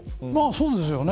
そうですよね。